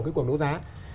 cái quảng đấu giá